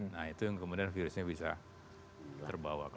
nah itu yang kemudian virusnya bisa terbawa